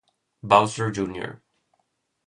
Bowser Jr.